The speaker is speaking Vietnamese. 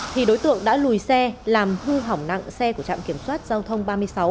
thì đối tượng đã lùi xe làm hư hỏng nặng xe của trạm kiểm soát giao thông ba mươi sáu